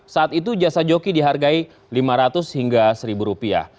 saat itu jasa joki dihargai lima ratus hingga seribu rupiah